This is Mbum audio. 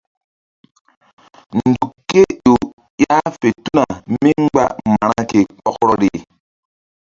Nzuk ké ƴo ƴah fe tuna mí mgba ma̧ra ke kpɔkrɔri.